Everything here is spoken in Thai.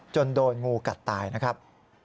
โดนงูกัดตายนะครับ